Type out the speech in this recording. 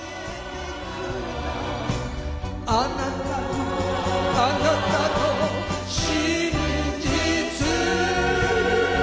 「あなたのあなたの真実」